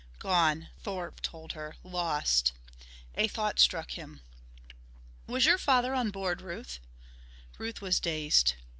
"Gone," Thorpe told her. "Lost!" A thought struck him. "Was your father on board, Ruth?" Ruth was dazed.